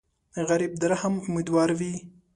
غریب د رحم امیدوار وي